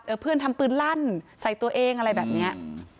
เพื่อนทำปืนลั่นใส่ตัวเองอะไรแบบเนี้ย